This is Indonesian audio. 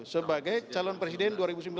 sebagai calon presiden dua ribu sembilan belas